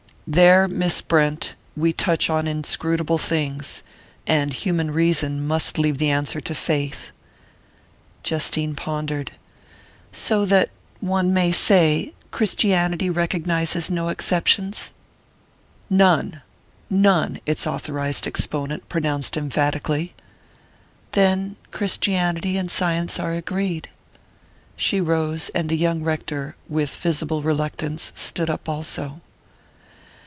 "There, Miss Brent, we touch on inscrutable things, and human reason must leave the answer to faith." Justine pondered. "So that one may say Christianity recognizes no exceptions ?" "None none," its authorized exponent pronounced emphatically. "Then Christianity and science are agreed." She rose, and the young rector, with visible reluctance, stood up also.